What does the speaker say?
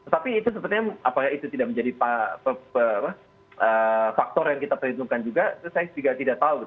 tapi itu sepertinya apakah itu tidak menjadi faktor yang kita perhitungkan juga itu saya juga tidak tahu